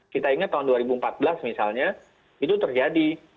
kita ingat tahun dua ribu empat belas misalnya itu terjadi